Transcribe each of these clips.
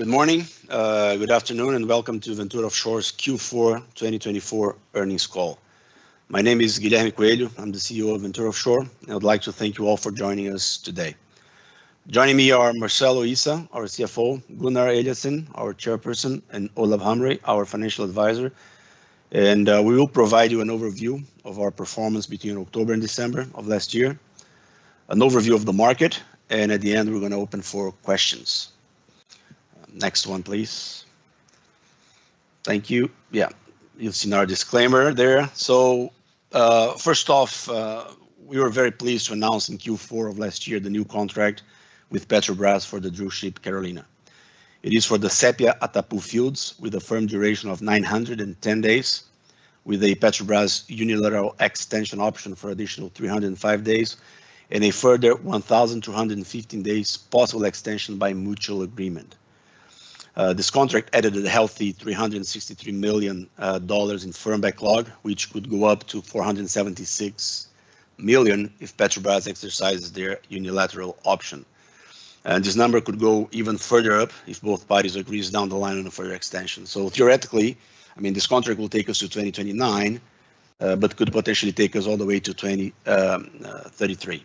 Good morning, good afternoon, and welcome to Ventura Offshore's Q4 2024 earnings call. My name is Guilherme Coelho. I'm the CEO of Ventura Offshore, and I'd like to thank you all for joining us today. Joining me are Marcelo Issa, our CFO, Gunnar Eliasson, our Chairperson, and Olav Hamre, our Financial Advisor. We will provide you an overview of our performance between October and December of last year, an overview of the market, and at the end, we're going to open for questions. Next one, please. Thank you. Yeah, you've seen our disclaimer there. First off, we were very pleased to announce in Q4 of last year the new contract with Petrobras for the drill ship Carolina. It is for the Sepia-Atapu fields with a firm duration of 910 days, with a Petrobras unilateral extension option for an additional 305 days and a further 1,215 days possible extension by mutual agreement. This contract added a healthy $363 million in firm backlog, which could go up to $476 million if Petrobras exercises their unilateral option. This number could go even further up if both parties agree down the line on a further extension. Theoretically, I mean, this contract will take us to 2029, but could potentially take us all the way to 2033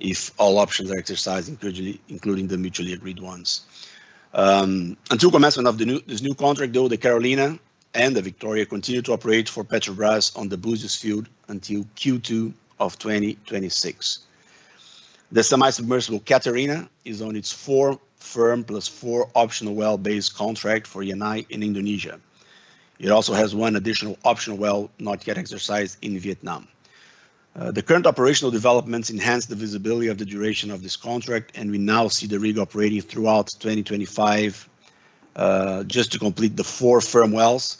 if all options are exercised, including the mutually agreed ones. Until commencement of this new contract, though, the Carolina and the Victoria continue to operate for Petrobras on the Búzios Field until Q2 of 2026. The semi-submersible Catarina is on its four firm plus four optional well-based contract for Yanai in Indonesia. It also has one additional optional well not yet exercised in Vietnam. The current operational developments enhance the visibility of the duration of this contract, and we now see the rig operating throughout 2025 just to complete the four firm wells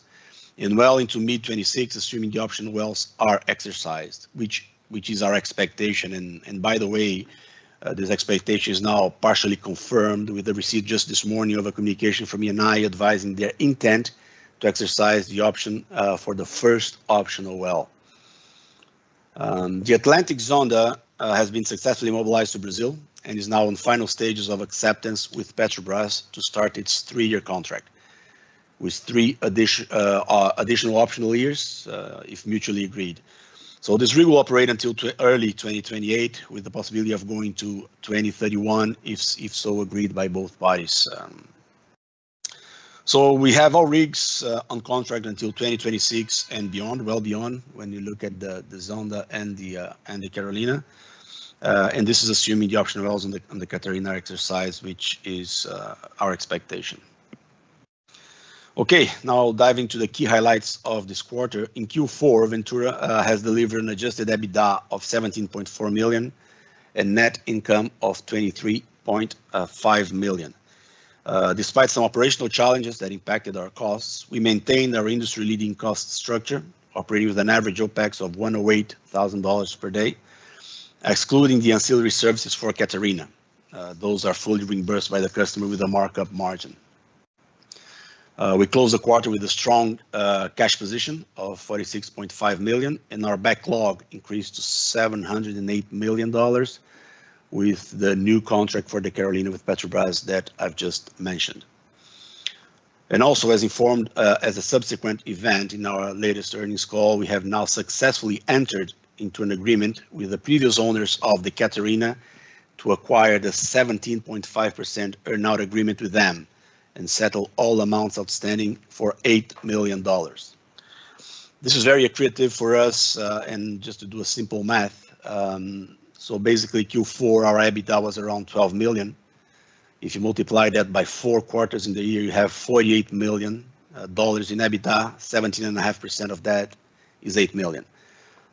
and well into mid-2026, assuming the optional wells are exercised, which is our expectation. By the way, this expectation is now partially confirmed with the receipt just this morning of a communication from Yanai advising their intent to exercise the option for the first optional well. The Atlantic Zonda has been successfully mobilized to Brazil and is now in final stages of acceptance with Petrobras to start its three-year contract with three additional optional years if mutually agreed. This rig will operate until early 2028, with the possibility of going to 2031 if so agreed by both parties. We have our rigs on contract until 2026 and beyond, well beyond, when you look at the Zonda and the Carolina. This is assuming the optional wells on the Catarina are exercised, which is our expectation. Okay, now diving to the key highlights of this quarter. In Q4, Ventura has delivered an Adjusted EBITDA of $17.4 million and net income of $23.5 million. Despite some operational challenges that impacted our costs, we maintained our industry-leading cost structure, operating with an average OpEx of $108,000 per day, excluding the ancillary services for Catarina. Those are fully reimbursed by the customer with a markup margin. We closed the quarter with a strong cash position of $46.5 million, and our backlog increased to $708 million with the new contract for the Carolina with Petrobras that I've just mentioned. Also, as informed as a subsequent event in our latest earnings call, we have now successfully entered into an agreement with the previous owners of the Catarina to acquire the 17.5% earn-out agreement with them and settle all amounts outstanding for $8 million. This is very accretive for us. Just to do a simple math, basically, Q4, our EBITDA was around $12 million. If you multiply that by four quarters in the year, you have $48 million in EBITDA, 17.5% of that is $8 million.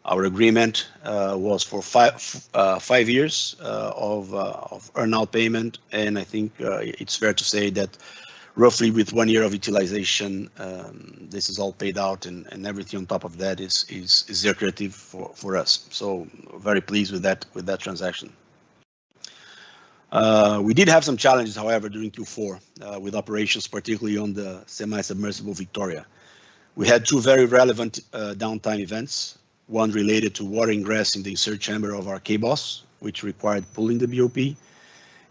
Our agreement was for five years of earn-out payment, and I think it's fair to say that roughly with one year of utilization, this is all paid out, and everything on top of that is accretive for us. Very pleased with that transaction. We did have some challenges, however, during Q4 with operations, particularly on the semi-submersible Victoria. We had two very relevant downtime events, one related to water ingress in the insert chamber of our cables, which required pulling the BOP,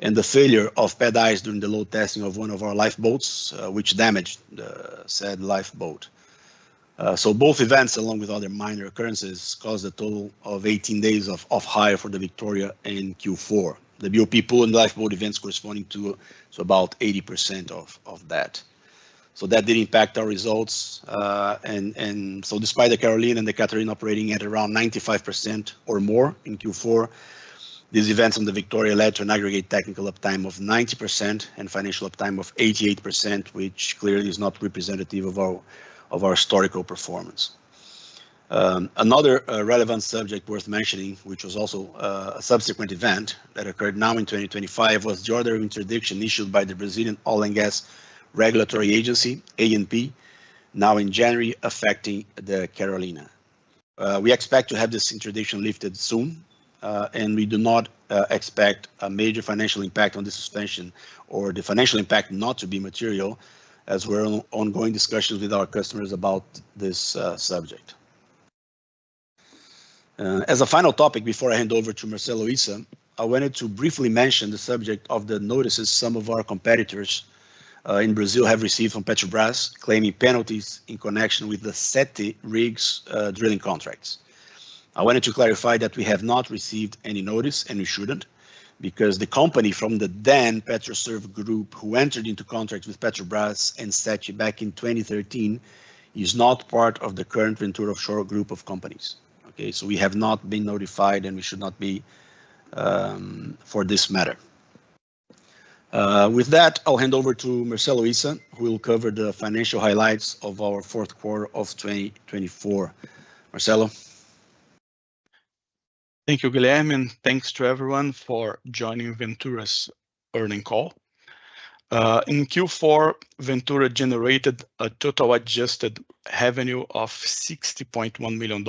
and the failure of pad eye during the load testing of one of our lifeboats, which damaged the said lifeboat. Both events, along with other minor occurrences, caused a total of 18 days of hire for the Victoria in Q4. The BOP pull and lifeboat events corresponded to about 80% of that. That did impact our results. Despite the Carolina and the Catarina operating at around 95% or more in Q4, these events on the Victoria led to an aggregate technical uptime of 90% and financial uptime of 88%, which clearly is not representative of our historical performance. Another relevant subject worth mentioning, which was also a subsequent event that occurred now in 2025, was the order of interdiction issued by the Brazilian Oil and Gas Regulatory Agency, ANP, now in January, affecting the Carolina. We expect to have this interdiction lifted soon, and we do not expect a major financial impact on the suspension or the financial impact not to be material, as we're in ongoing discussions with our customers about this subject. As a final topic before I hand over to Marcelo Issa, I wanted to briefly mention the subject of the notices some of our competitors in Brazil have received from Petrobras claiming penalties in connection with the Sete rigs' drilling contracts. I wanted to clarify that we have not received any notice, and we shouldn't, because the company from the then Petroserv Group who entered into contracts with Petrobras and Sete back in 2013 is not part of the current Ventura Offshore Group of companies. Okay? So we have not been notified, and we should not be for this matter. With that, I'll hand over to Marcelo Issa, who will cover the financial highlights of our fourth quarter of 2024. Marcelo. Thank you, Guilherme, and thanks to everyone for joining Ventura's earning call. In Q4, Ventura generated a total adjusted revenue of $60.1 million,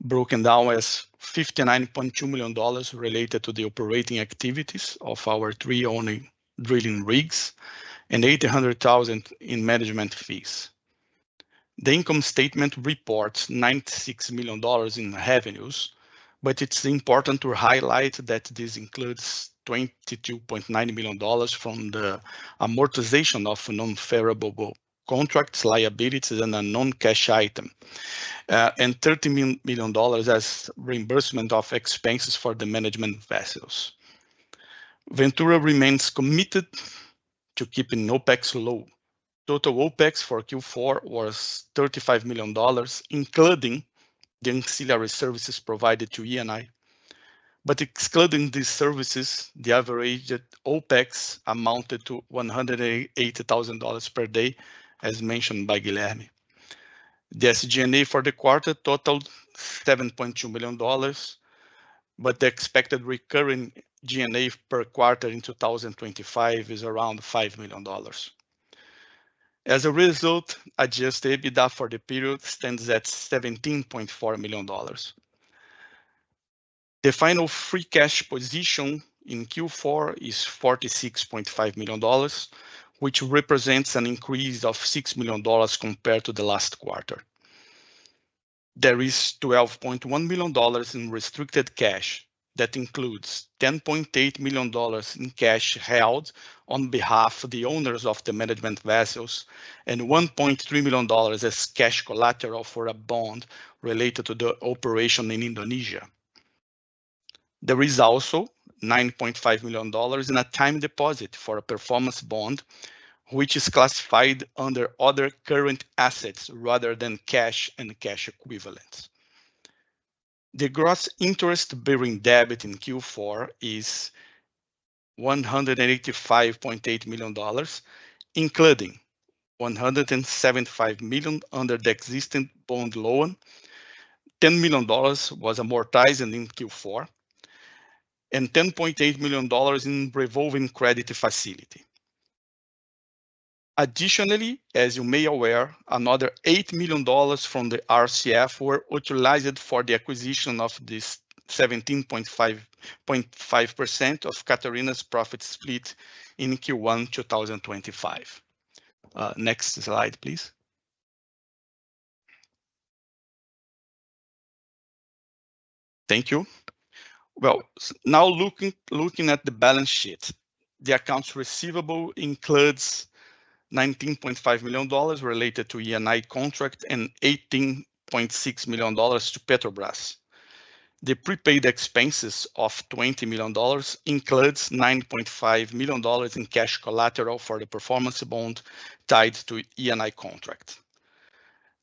broken down as $59.2 million related to the operating activities of our three only drilling rigs and $800,000 in management fees. The income statement reports $96 million in revenues, but it's important to highlight that this includes $22.9 million from the amortization of non-farmable contracts, liabilities, and a non-cash item, and $30 million as reimbursement of expenses for the management vessels. Ventura remains committed to keeping OpEx low. Total OpEx for Q4 was $35 million, including the ancillary services provided to Yanai. Excluding these services, the average OpEx amounted to $180,000 per day, as mentioned by Guilherme. The SG&A for the quarter totaled $7.2 million, but the expected recurring G&A per quarter in 2025 is around $5 million. As a result, Adjusted EBITDA for the period stands at $17.4 million. The final free cash position in Q4 is $46.5 million, which represents an increase of $6 million compared to the last quarter. There is $12.1 million in restricted cash that includes $10.8 million in cash held on behalf of the owners of the management vessels and $1.3 million as cash collateral for a bond related to the operation in Indonesia. There is also $9.5 million in a time deposit for a performance bond, which is classified under other current assets rather than cash and cash equivalents. The gross interest-bearing debt in Q4 is $185.8 million, including $175 million under the existing bond loan, $10 million was amortized in Q4, and $10.8 million in revolving credit facility. Additionally, as you may be aware, another $8 million from the RCF were utilized for the acquisition of this 17.5% of Catarina's profit split in Q1 2025. Next slide, please. Thank you. Now looking at the balance sheet, the accounts receivable includes $19.5 million related to the Yanai contract and $18.6 million to Petrobras. The prepaid expenses of $20 million includes $9.5 million in cash collateral for the performance bond tied to the Yanai contract.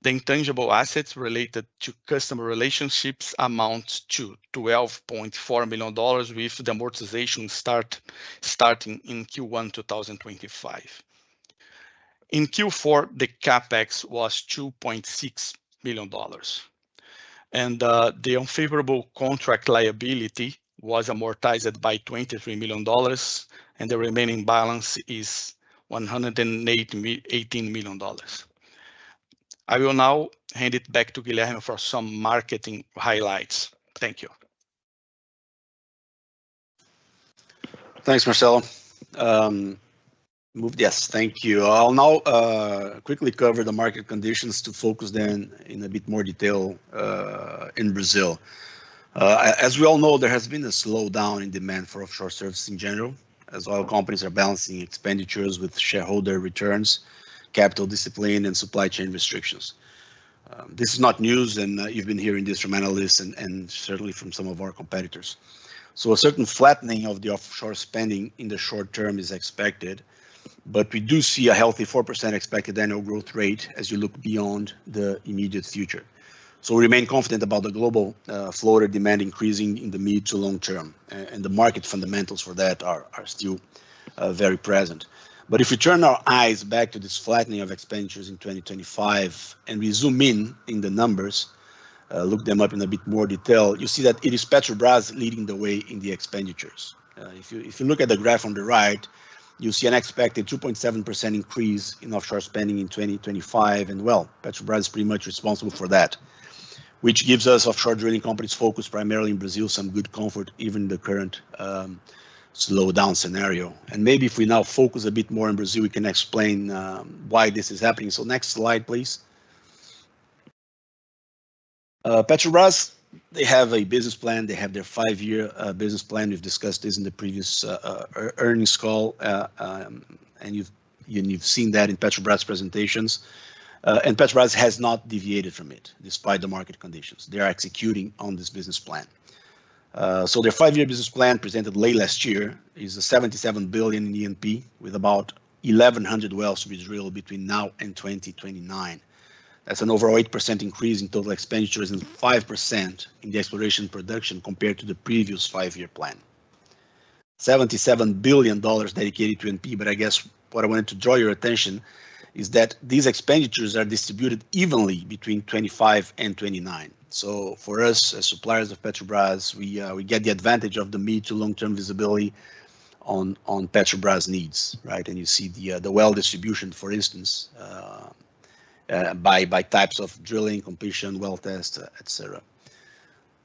The intangible assets related to customer relationships amount to $12.4 million with the amortization starting in Q1 2025. In Q4, the CapEx was $2.6 million, and the unfavorable contract liability was amortized by $23 million, and the remaining balance is $118 million. I will now hand it back to Guilherme for some marketing highlights. Thank you. Thanks, Marcelo. Yes, thank you. I'll now quickly cover the market conditions to focus then in a bit more detail in Brazil. As we all know, there has been a slowdown in demand for offshore service in general, as oil companies are balancing expenditures with shareholder returns, capital discipline, and supply chain restrictions. This is not news, and you've been hearing this from analysts and certainly from some of our competitors. A certain flattening of the offshore spending in the short term is expected, but we do see a healthy 4% expected annual growth rate as you look beyond the immediate future. We remain confident about the global floater demand increasing in the mid to long term, and the market fundamentals for that are still very present. If we turn our eyes back to this flattening of expenditures in 2025 and we zoom in in the numbers, look them up in a bit more detail, you see that it is Petrobras leading the way in the expenditures. If you look at the graph on the right, you see an expected 2.7% increase in offshore spending in 2025, and, well, Petrobras is pretty much responsible for that, which gives us offshore drilling companies focused primarily in Brazil some good comfort even in the current slowdown scenario. Maybe if we now focus a bit more in Brazil, we can explain why this is happening. Next slide, please. Petrobras, they have a business plan. They have their five-year business plan. We've discussed this in the previous earnings call, and you've seen that in Petrobras presentations. Petrobras has not deviated from it despite the market conditions. They are executing on this business plan. Their five-year business plan presented late last year is a $77 billion in E&P with about 1,100 wells to be drilled between now and 2029. That's an over 8% increase in total expenditures and 5% in the exploration production compared to the previous five-year plan. $77 billion dedicated to E&P, but I guess what I wanted to draw your attention to is that these expenditures are distributed evenly between 2025 and 2029. For us as suppliers of Petrobras, we get the advantage of the mid to long-term visibility on Petrobras needs, right? You see the well distribution, for instance, by types of drilling, completion, well test, etc.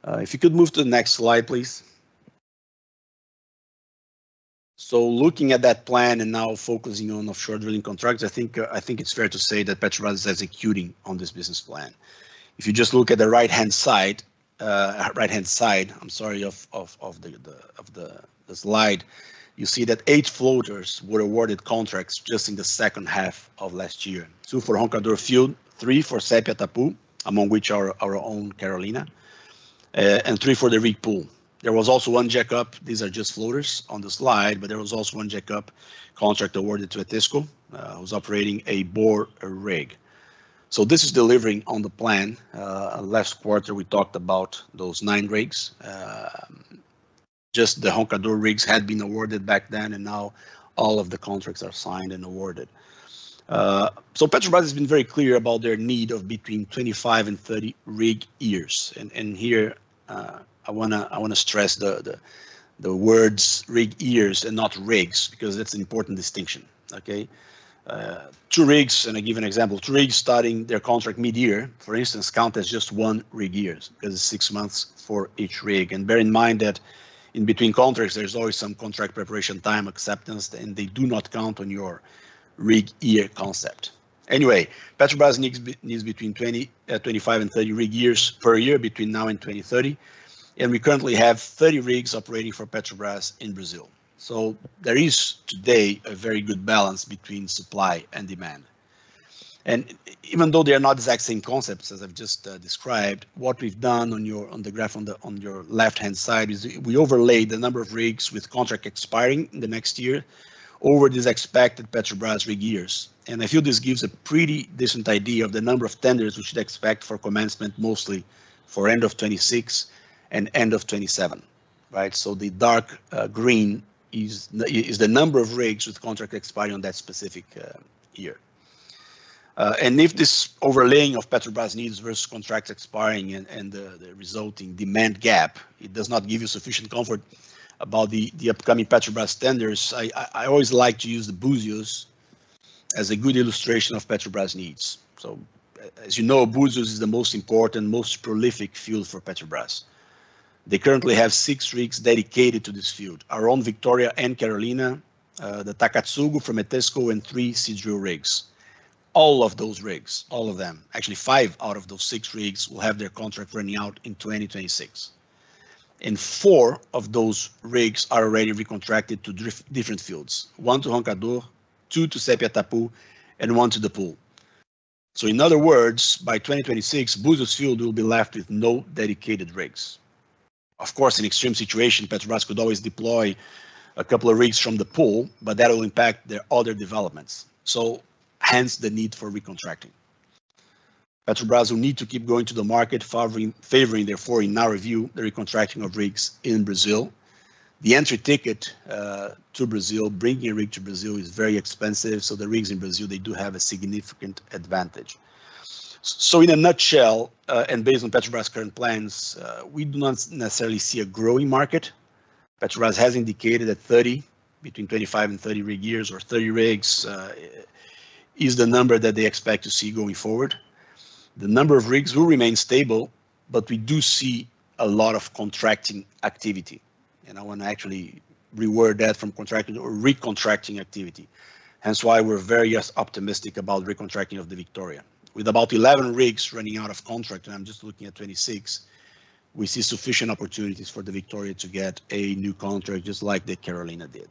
If you could move to the next slide, please. Looking at that plan and now focusing on offshore drilling contracts, I think it's fair to say that Petrobras is executing on this business plan. If you just look at the right-hand side, right-hand side, I'm sorry, of the slide, you see that eight floaters were awarded contracts just in the second half of last year. Two for Roncador Field, three for Sepia-Atapu, among which are our own Carolina, and three for the rig pool. There was also one jack-up. These are just floaters on the slide, but there was also one jack-up contract awarded to Etesco who's operating a bore rig. This is delivering on the plan. Last quarter, we talked about those nine rigs. Just the Roncador rigs had been awarded back then, and now all of the contracts are signed and awarded. Petrobras has been very clear about their need of between 25 and 30 rig years. Here, I want to stress the words rig years and not rigs because it's an important distinction, okay? Two rigs, and I give an example. Two rigs starting their contract mid-year, for instance, count as just one rig year because it's six months for each rig. Bear in mind that in between contracts, there's always some contract preparation time acceptance, and they do not count on your rig year concept. Anyway, Petrobras needs between 25 and 30 rig years per year between now and 2030, and we currently have 30 rigs operating for Petrobras in Brazil. There is today a very good balance between supply and demand. Even though they are not exact same concepts as I've just described, what we've done on the graph on your left-hand side is we overlaid the number of rigs with contract expiring the next year over these expected Petrobras rig years. I feel this gives a pretty decent idea of the number of tenders we should expect for commencement, mostly for end of 2026 and end of 2027, right? The dark green is the number of rigs with contract expiry on that specific year. If this overlaying of Petrobras needs versus contract expiring and the resulting demand gap does not give you sufficient comfort about the upcoming Petrobras tenders, I always like to use the Búzios as a good illustration of Petrobras needs. As you know, Búzios is the most important, most prolific field for Petrobras. They currently have six rigs dedicated to this field: our own Victoria and Carolina, the Takatsugu from Etesco, and three Seadrill rigs. All of those rigs, all of them, actually five out of those six rigs will have their contract running out in 2026. Four of those rigs are already recontracted to different fields: one to Roncador, two to Sepia-Atapu, and one to the pool. In other words, by 2026, Búzios Field will be left with no dedicated rigs. Of course, in extreme situations, Petrobras could always deploy a couple of rigs from the pool, but that will impact their other developments. Hence the need for recontracting. Petrobras will need to keep going to the market, favoring therefore, in our view, the recontracting of rigs in Brazil. The entry ticket to Brazil, bringing a rig to Brazil, is very expensive. The rigs in Brazil, they do have a significant advantage. In a nutshell, and based on Petrobras' current plans, we do not necessarily see a growing market. Petrobras has indicated that 30, between 25 and 30 rig years, or 30 rigs is the number that they expect to see going forward. The number of rigs will remain stable, but we do see a lot of contracting activity. I want to actually reword that from contracting or recontracting activity. Hence why we're very optimistic about recontracting of the Victoria. With about 11 rigs running out of contract, and I'm just looking at 26, we see sufficient opportunities for the Victoria to get a new contract just like the Carolina did.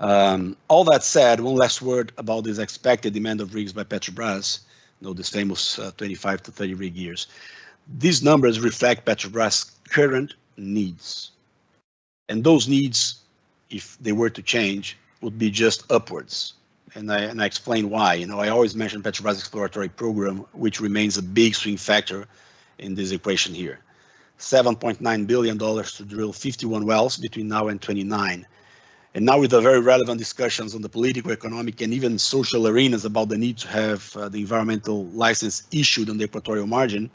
All that said, one last word about this expected demand of rigs by Petrobras, this famous 25 to 30 rig years. These numbers reflect Petrobras' current needs. Those needs, if they were to change, would be just upwards. I explain why. I always mention Petrobras' exploratory program, which remains a big swing factor in this equation here: $7.9 billion to drill 51 wells between now and 2029. Now, with the very relevant discussions on the political, economic, and even social arenas about the need to have the environmental license issued on the Equatorial Margin,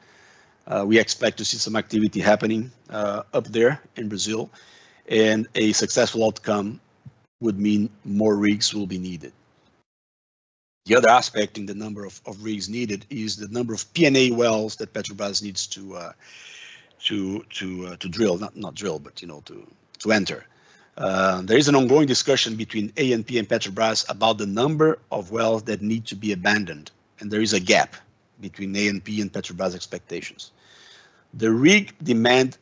we expect to see some activity happening up there in Brazil. A successful outcome would mean more rigs will be needed. The other aspect in the number of rigs needed is the number of P&A wells that Petrobras needs to drill, not drill, but to enter. There is an ongoing discussion between ANP and Petrobras about the number of wells that need to be abandoned. There is a gap between ANP and Petrobras' expectations. The rig demand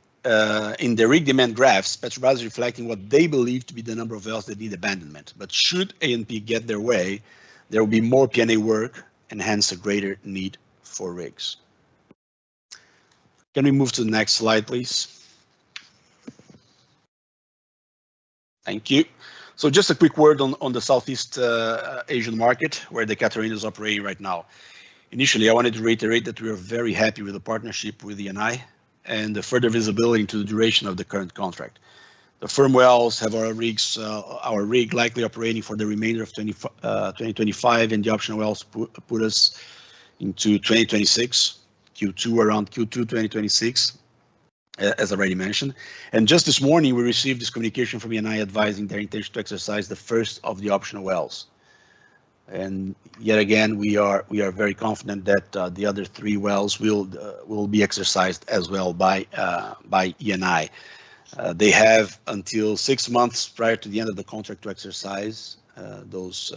in the rig demand graphs, Petrobras is reflecting what they believe to be the number of wells that need abandonment. Should ANP get their way, there will be more P&A work and hence a greater need for rigs. Can we move to the next slide, please? Thank you. Just a quick word on the Southeast Asian market where the Catarina is operating right now. Initially, I wanted to reiterate that we are very happy with the partnership with Yanai and the further visibility into the duration of the current contract. The firm wells have our rig likely operating for the remainder of 2025, and the optional wells put us into 2026, Q2, around Q2 2026, as I already mentioned. Just this morning, we received this communication from Yanai advising their intention to exercise the first of the optional wells. Yet again, we are very confident that the other three wells will be exercised as well by Yanai. They have until six months prior to the end of the contract to exercise those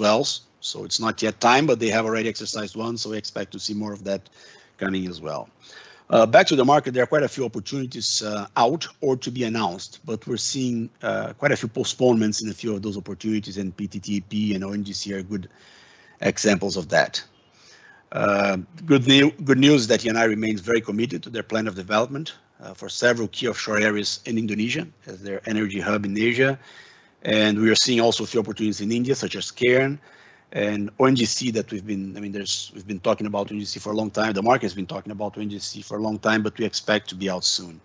wells. It is not yet time, but they have already exercised one. We expect to see more of that coming as well. Back to the market, there are quite a few opportunities out or to be announced, but we are seeing quite a few postponements in a few of those opportunities, and PTTEP and ONGC are good examples of that. Good news is that Yanai remains very committed to their plan of development for several key offshore areas in Indonesia as their energy hub in Asia. We are seeing also a few opportunities in India, such as Cairn and ONGC that we have been, I mean, we have been talking about ONGC for a long time. The market has been talking about ONGC for a long time, but we expect to be out soon.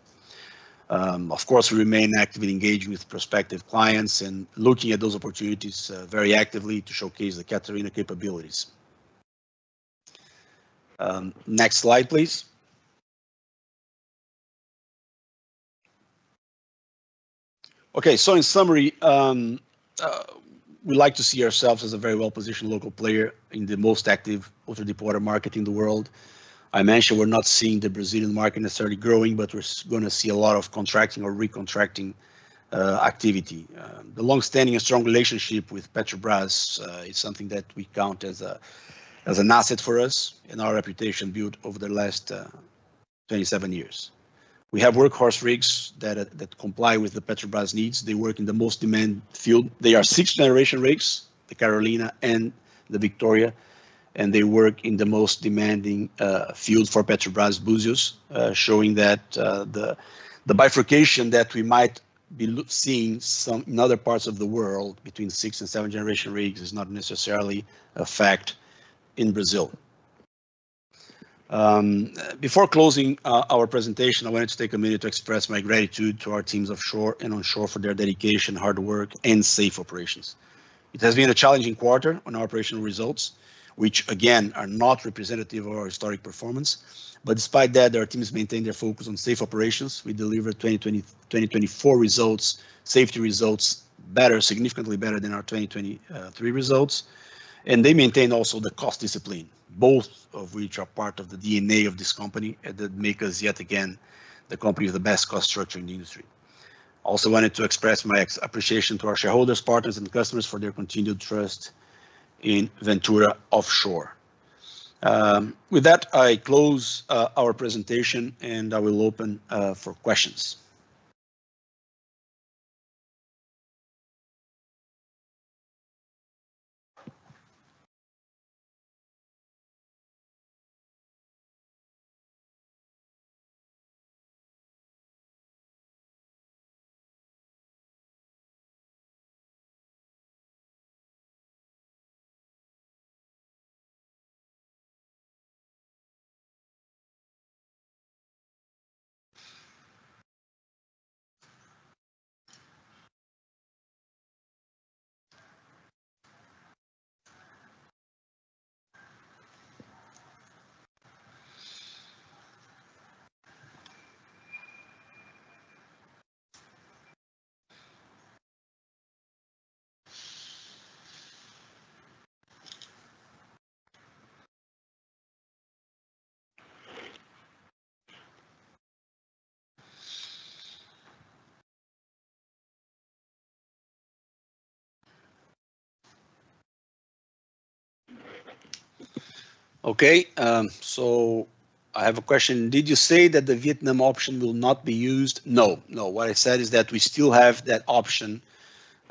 Of course, we remain active in engaging with prospective clients and looking at those opportunities very actively to showcase the Catarina capabilities. Next slide, please. Okay. In summary, we'd like to see ourselves as a very well-positioned local player in the most active ultra-deployed market in the world. I mentioned we're not seeing the Brazilian market necessarily growing, but we're going to see a lot of contracting or recontracting activity. The long-standing and strong relationship with Petrobras is something that we count as an asset for us and our reputation built over the last 27 years. We have workhorse rigs that comply with the Petrobras needs. They work in the most demanded field. They are sixth-generation rigs, the Carolina and the Victoria, and they work in the most demanding field for Petrobras, Búzios, showing that the bifurcation that we might be seeing in other parts of the world between sixth- and seventh-generation rigs is not necessarily a fact in Brazil. Before closing our presentation, I wanted to take a minute to express my gratitude to our teams offshore and onshore for their dedication, hard work, and safe operations. It has been a challenging quarter on our operational results, which again are not representative of our historic performance. Despite that, our teams maintain their focus on safe operations. We delivered 2024 safety results better, significantly better than our 2023 results. They maintain also the cost discipline, both of which are part of the DNA of this company that make us yet again the company with the best cost structure in the industry. I also wanted to express my appreciation to our shareholders, partners, and customers for their continued trust in Ventura Offshore. With that, I close our presentation, and I will open for questions. Okay. I have a question. Did you say that the Vietnam option will not be used? No. No. What I said is that we still have that option.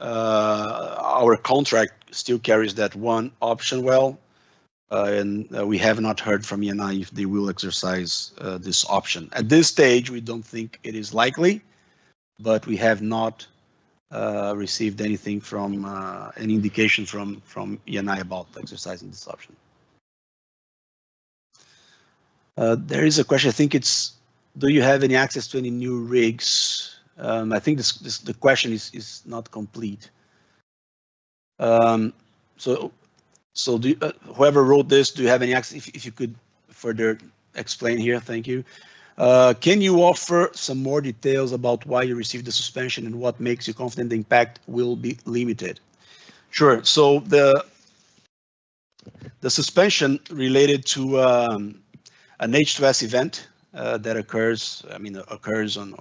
Our contract still carries that one option well. We have not heard from Yanai if they will exercise this option. At this stage, we do not think it is likely, but we have not received anything from an indication from Yanai about exercising this option. There is a question. I think it's, do you have any access to any new rigs? I think the question is not complete. So whoever wrote this, do you have any access? If you could further explain here, thank you. Can you offer some more details about why you received the suspension and what makes you confident the impact will be limited? Sure. The suspension related to an H2S event that occurs, I mean, occurs on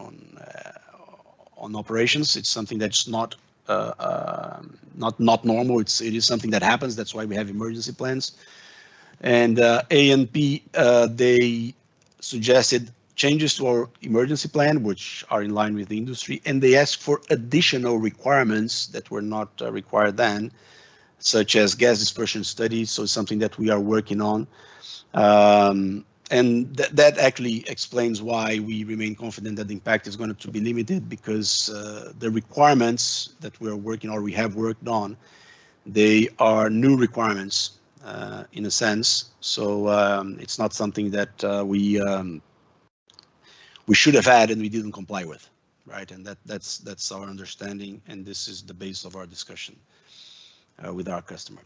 operations. It's something that's not normal. It is something that happens. That's why we have emergency plans. ANP, they suggested changes to our emergency plan, which are in line with the industry. They asked for additional requirements that were not required then, such as gas dispersion studies. It's something that we are working on. That actually explains why we remain confident that the impact is going to be limited because the requirements that we are working on or we have worked on, they are new requirements in a sense. It is not something that we should have had and we did not comply with, right? That is our understanding. This is the base of our discussion with our customer.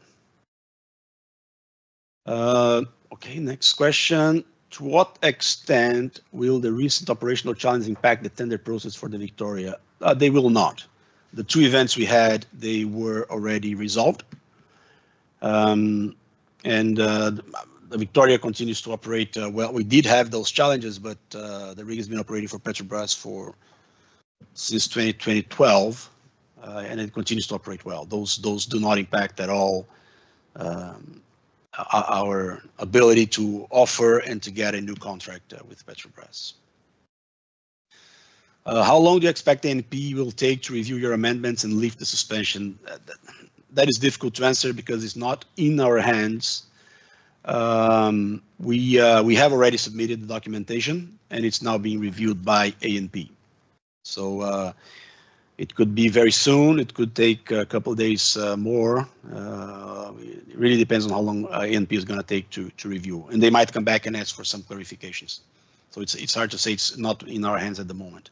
Okay. Next question. To what extent will the recent operational challenge impact the tender process for the Victoria? They will not. The two events we had, they were already resolved. The Victoria continues to operate well. We did have those challenges, but the rig has been operating for Petrobras since 2012, and it continues to operate well. Those do not impact at all our ability to offer and to get a new contract with Petrobras. How long do you expect ANP will take to review your amendments and leave the suspension? That is difficult to answer because it's not in our hands. We have already submitted the documentation, and it's now being reviewed by ANP. It could be very soon. It could take a couple of days more. It really depends on how long ANP is going to take to review. They might come back and ask for some clarifications. It's hard to say. It's not in our hands at the moment.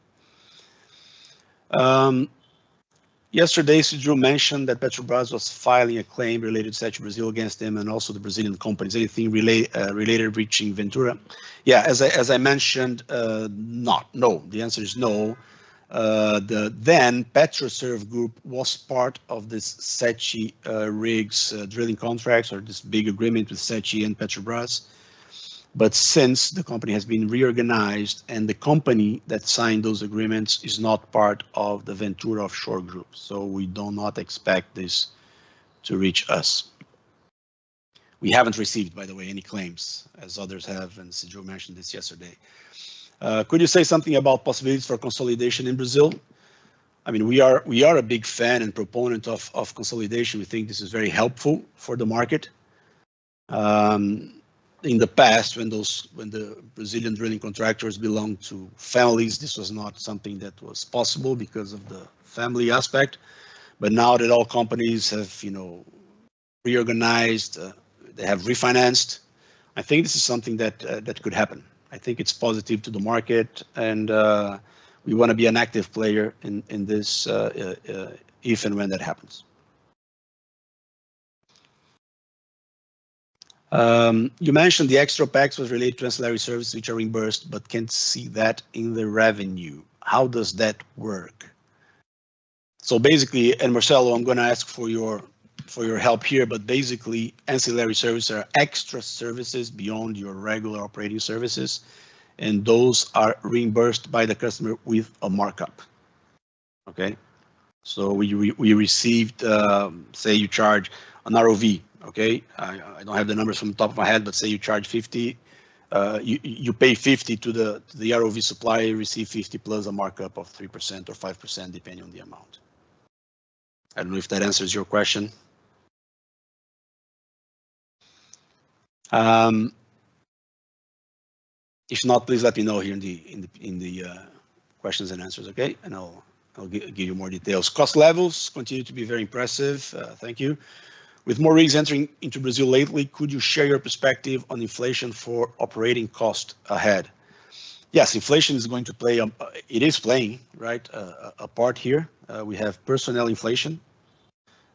Yesterday, Seadrill mentioned that Petrobras was filing a claim related to Sete Brazil against them and also the Brazilian companies. Anything related reaching Ventura? Yeah. As I mentioned, no. The answer is no. Petroserv Group was part of this Sete rigs drilling contracts or this big agreement with Sete and Petrobras. Since the company has been reorganized and the company that signed those agreements is not part of the Ventura Offshore Group, we do not expect this to reach us. We haven't received, by the way, any claims, as others have, and Seadrill mentioned this yesterday. Could you say something about possibilities for consolidation in Brazil? I mean, we are a big fan and proponent of consolidation. We think this is very helpful for the market. In the past, when the Brazilian drilling contractors belonged to families, this was not something that was possible because of the family aspect. Now that all companies have reorganized, they have refinanced, I think this is something that could happen. I think it's positive to the market, and we want to be an active player in this if and when that happens. You mentioned the extra packs was related to ancillary services, which are reimbursed, but can't see that in the revenue. How does that work? Basically, and Marcelo, I'm going to ask for your help here, but basically, ancillary services are extra services beyond your regular operating services, and those are reimbursed by the customer with a markup. Okay? We received, say you charge an ROV, okay? I don't have the numbers from the top of my head, but say you charge $50, you pay $50 to the ROV supplier, you receive $50 plus a markup of 3% or 5%, depending on the amount. I don't know if that answers your question. If not, please let me know here in the questions and answers, okay? I'll give you more details. Cost levels continue to be very impressive. Thank you. With more rigs entering into Brazil lately, could you share your perspective on inflation for operating cost ahead? Yes. Inflation is going to play, it is playing, right, a part here. We have personnel inflation,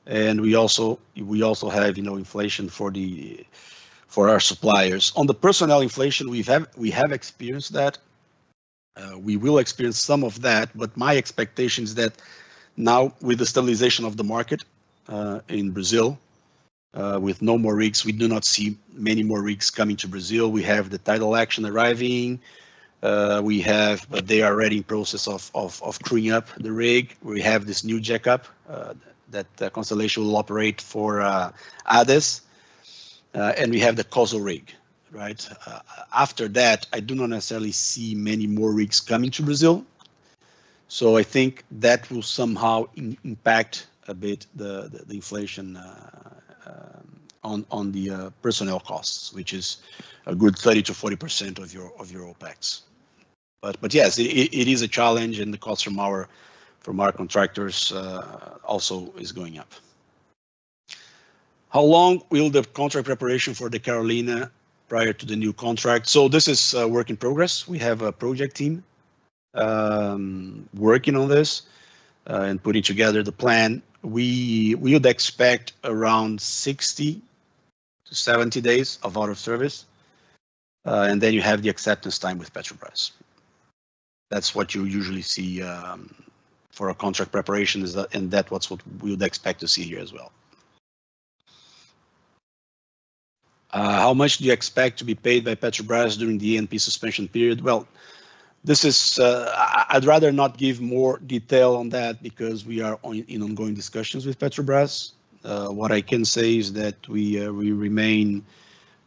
and we also have inflation for our suppliers. On the personnel inflation, we have experienced that. We will experience some of that, but my expectation is that now, with the stabilization of the market in Brazil, with no more rigs, we do not see many more rigs coming to Brazil. We have the Tidal Action arriving. We have, but they are already in the process of crewing up the rig. We have this new jack-up that Constellation will operate for ADES. And we have the COSL rig, right? After that, I do not necessarily see many more rigs coming to Brazil. I think that will somehow impact a bit the inflation on the personnel costs, which is a good 30-40% of your OpEx. Yes, it is a challenge, and the cost from our contractors also is going up. How long will the contract preparation for the Carolina prior to the new contract? This is a work in progress. We have a project team working on this and putting together the plan. We would expect around 60 to 70 days of out-of-service. Then you have the acceptance time with Petrobras. That is what you usually see for a contract preparation, and that is what we would expect to see here as well. How much do you expect to be paid by Petrobras during the ANP suspension period? I would rather not give more detail on that because we are in ongoing discussions with Petrobras. What I can say is that we remain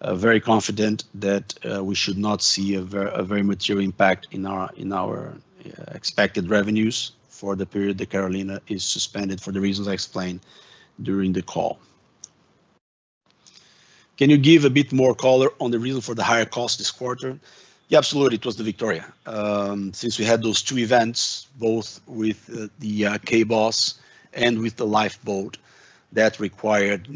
very confident that we should not see a very material impact in our expected revenues for the period the Carolina is suspended for the reasons I explained during the call. Can you give a bit more color on the reason for the higher cost this quarter? Yeah, absolutely. It was the Victoria. Since we had those two events, both with the cables and with the lifeboat, that required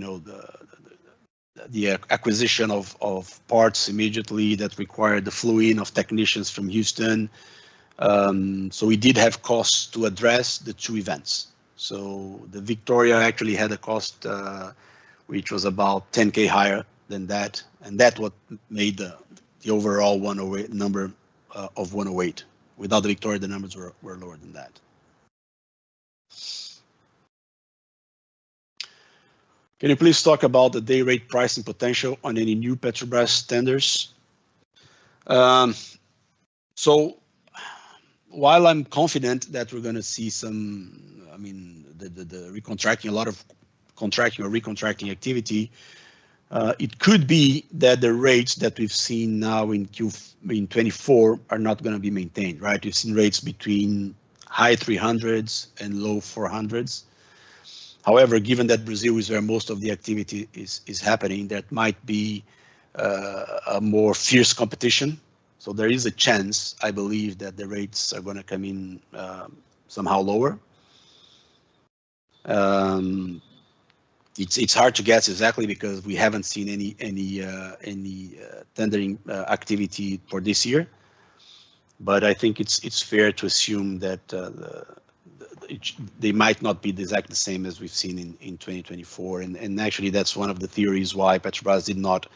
the acquisition of parts immediately that required the flow-in of technicians from Houston. So we did have costs to address the two events. So the Victoria actually had a cost which was about $10,000 higher than that. And that's what made the overall number of $108,000. Without the Victoria, the numbers were lower than that. Can you please talk about the day rate pricing potential on any new Petrobras tenders? While I'm confident that we're going to see some, I mean, the contracting, a lot of contracting or recontracting activity, it could be that the rates that we've seen now in Q24 are not going to be maintained, right? We've seen rates between high 300s and low 400s. However, given that Brazil is where most of the activity is happening, that might be a more fierce competition. There is a chance, I believe, that the rates are going to come in somehow lower. It's hard to guess exactly because we haven't seen any tendering activity for this year. I think it's fair to assume that they might not be exactly the same as we've seen in 2024. Actually, that's one of the theories why Petrobras did not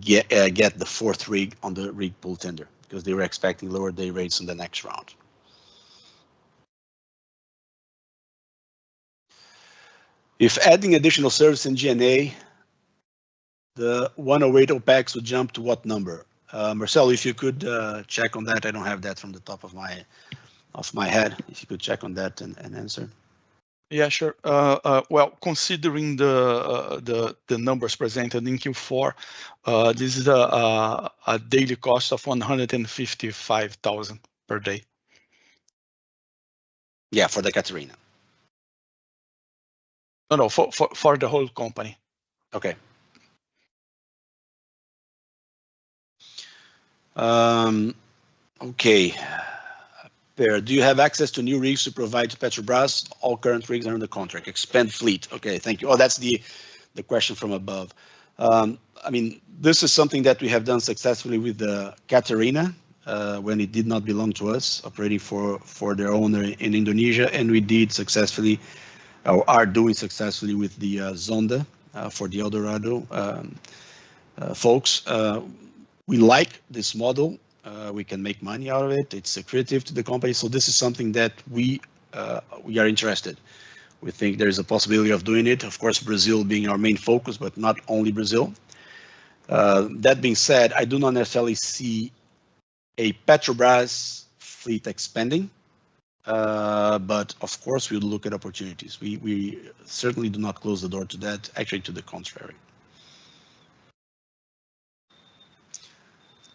get the fourth rig on the rig pool tender because they were expecting lower day rates in the next round. If adding additional service in SG&A, the $108,000 OpEx would jump to what number? Marcelo, if you could check on that. I don't have that from the top of my head. If you could check on that and answer. Yeah, sure. Considering the numbers presented in Q4, this is a daily cost of $155,000 per day. Yeah, for the Catarina. No, no, for the whole company. Okay. Okay. Do you have access to new rigs to provide to Petrobras? All current rigs are in the contract. Expand fleet. Thank you. Oh, that's the question from above. I mean, this is something that we have done successfully with the Catarina when it did not belong to us, operating for their owner in Indonesia. And we did successfully or are doing successfully with the Zonda for the Eldorado folks. We like this model. We can make money out of it. It's secretive to the company. So this is something that we are interested. We think there is a possibility of doing it, of course, Brazil being our main focus, but not only Brazil. That being said, I do not necessarily see a Petrobras fleet expanding. But of course, we would look at opportunities. We certainly do not close the door to that. Actually, to the contrary.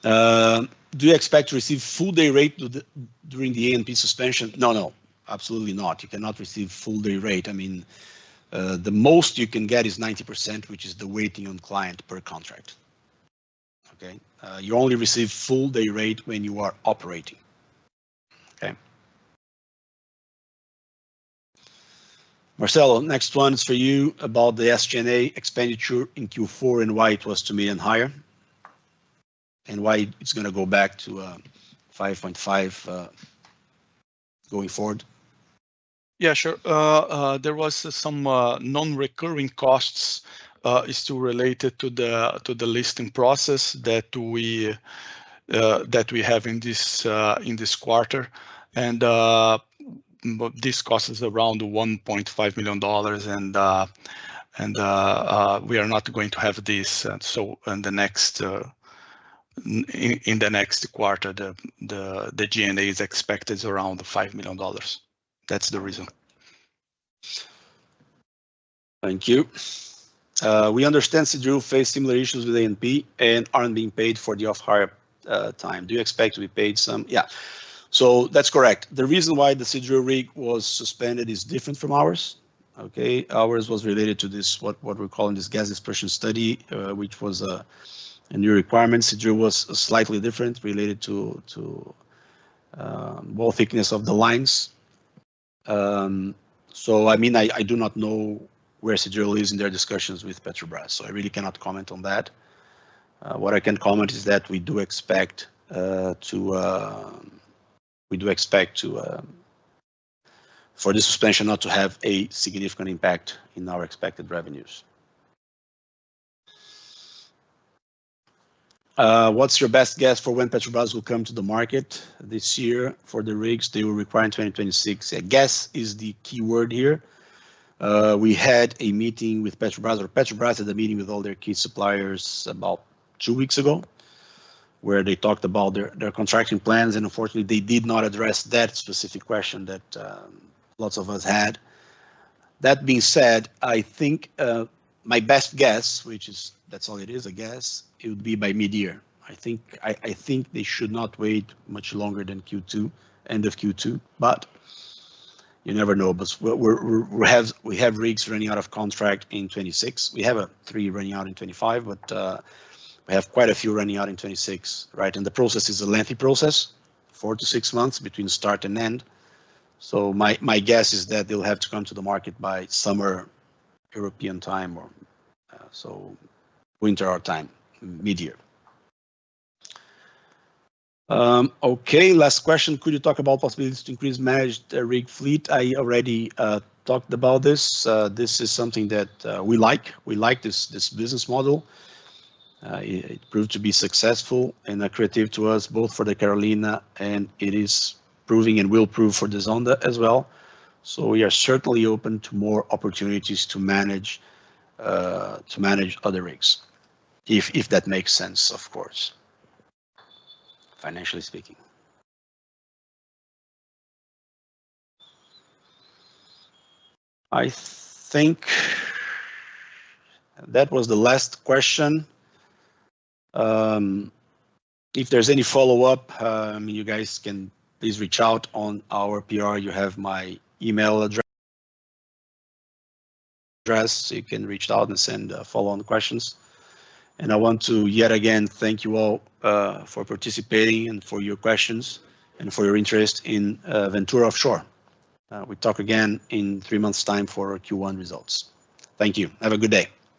Do you expect to receive full day rate during the ANP suspension? No, no, absolutely not. You cannot receive full day rate. I mean, the most you can get is 90%, which is the waiting on client per contract. Okay? You only receive full day rate when you are operating. Okay? Marcelo, next one is for you about the SG&A expenditure in Q4 and why it was $2 million higher and why it's going to go back to $5.5 million going forward. Yeah, sure. There was some non-recurring costs still related to the listing process that we have in this quarter. And this cost is around $1.5 million. And we are not going to have this in the next quarter. The SG&A is expected around $5 million. That's the reason. Thank you. We understand Seadrill faced similar issues with ANP and aren't being paid for the off-hire time. Do you expect to be paid some? Yeah. That's correct. The reason why the Seadrill rig was suspended is different from ours. Okay? Ours was related to what we're calling this gas dispersion study, which was a new requirement. Seadrill was slightly different related to wall thickness of the lines. I mean, I do not know where Seadrill is in their discussions with Petrobras. I really cannot comment on that. What I can comment is that we do expect for the suspension not to have a significant impact in our expected revenues. What's your best guess for when Petrobras will come to the market this year for the rigs they will require in 2026? I guess is the key word here. We had a meeting with Petrobras. Petrobras had a meeting with all their key suppliers about two weeks ago where they talked about their contracting plans. Unfortunately, they did not address that specific question that lots of us had. That being said, I think my best guess, which is that's all it is, I guess, it would be by mid-year. I think they should not wait much longer than Q2, end of Q2. You never know. We have rigs running out of contract in 2026. We have three running out in 2025, but we have quite a few running out in 2026, right? The process is a lengthy process, four to six months between start and end. My guess is that they'll have to come to the market by summer European time or so, winter or time, mid-year. Okay. Last question. Could you talk about possibilities to increase managed rig fleet? I already talked about this. This is something that we like. We like this business model. It proved to be successful and creative to us, both for the Carolina, and it is proving and will prove for the Zonda as well. We are certainly open to more opportunities to manage other rigs, if that makes sense, of course, financially speaking. I think that was the last question. If there's any follow-up, you guys can please reach out on our PR. You have my email address. You can reach out and send follow-on questions. I want to yet again thank you all for participating and for your questions and for your interest in Ventura Offshore. We talk again in three months' time for Q1 results. Thank you. Have a good day.